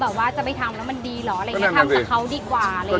ว่าจะไปทำแล้วมันดีเหรออะไรอย่างนี้ทำกับเขาดีกว่าอะไรอย่างนี้